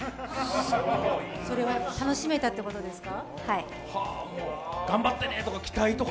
それは楽しめたということですか？